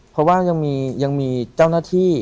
เพราะว่ายังมีเจ้าหน้าที่